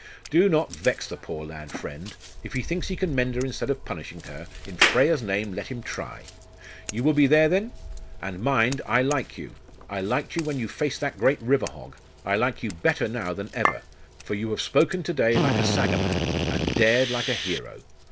'Do not vex the poor lad, friend. If he thinks he can mend her instead of punishing her, in Freya's name, let him try. You will be there, then? And mind, I like you. I liked you when you faced that great river hog. I like you better now than ever; for you have spoken to day like a Sagaman, and dared like a hero.